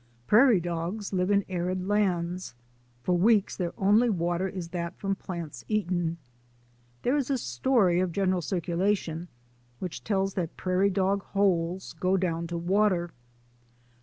Prairie dogs live in arid lands. For weeks their only water is that from plants eaten. There is a story of general circulation which tells that prairie dog holes go down to water.